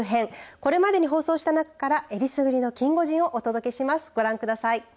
これまでに放送した中からえりすぐりのキンゴジンをお届けします。